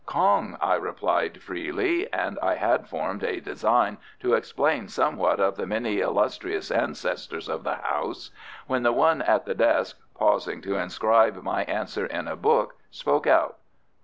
"Kong," I replied freely; and I had formed a design to explain somewhat of the many illustrious ancestors of the House, when the one at the desk, pausing to inscribe my answer in a book, spoke out.